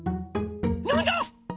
なんだ